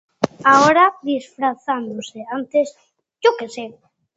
Ahora, disfrazándose; antes, yo que sé.